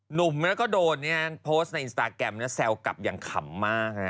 หนุ่มก็โดดโพสต์ในอินสตาร์แกรมแล้วแซวกับอย่างขำมาก